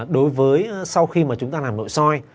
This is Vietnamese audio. đối với sau khi chúng ta làm nội soi